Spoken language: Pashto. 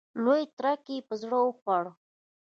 لوی تړک یې په زړه وخوړ.